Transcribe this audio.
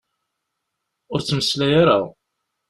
Ur ttmeslay ara!